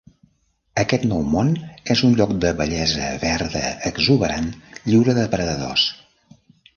Aquest nou món és un lloc de bellesa verda exuberant lliure de predadors.